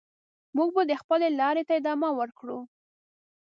موږ به د خپلې لارې ته ادامه ورکړو.